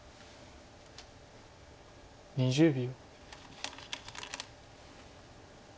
２０秒。